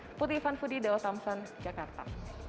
saya putri ivan fudi dewan tamsan jakarta